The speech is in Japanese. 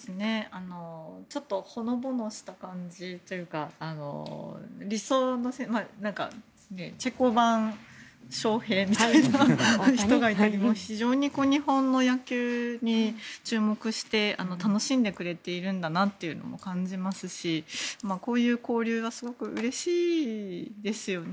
ちょっとほのぼのした感じというかチェコ版翔平みたいな人がいたりと非常に日本の野球に注目して楽しんでくれているんだなと感じますしこういう交流はすごくうれしいですよね。